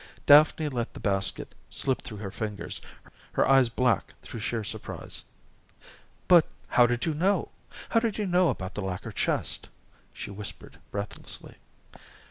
Daphne let the basket slip through her fingers, her eyes black through sheer surprise. "But how did you know how did you know about the lacquer chest?" she whispered breathlessly.